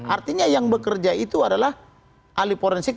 artinya yang bekerja itu adalah ahli forensik